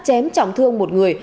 chém trọng thương một người